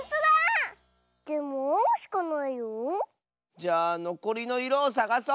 じゃあのこりのいろをさがそう！